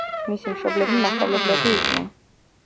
მისი მშობლები მასწავლებლები იყვნენ.